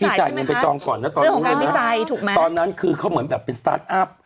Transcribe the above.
พี่จ่ายเงินไปจองก่อนนะเรื่องของการวิจัยถูกไหมตอนนั้นคือเขาเหมือนแบบเป็นสตาร์ทอัพ